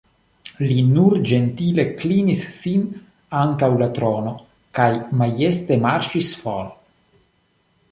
Li nur ĝentile klinis sin antaŭ la trono kaj majeste marŝis for.